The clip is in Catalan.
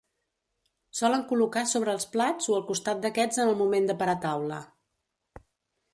Solen col·locar sobre els plats o al costat d'aquests en el moment de parar taula.